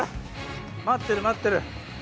待ってる待ってる。